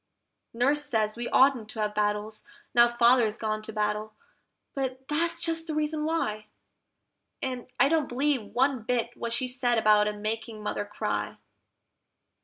Nurse says we oughtn't to have battles, now Father's gone to battle, but that's just the reason why! And I don't believe one bit what she said about its making Mother cry.